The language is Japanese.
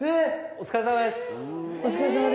お疲れさまです。